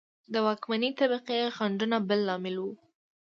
د واکمنې طبقې خنډونه بل لامل و.